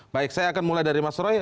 baik saya akan mulai dari mas roy